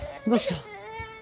どうした？